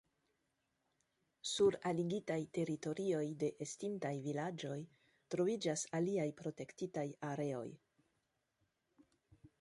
Sur aligitaj teritorioj de estintaj vilaĝoj troviĝas aliaj protektitaj areoj.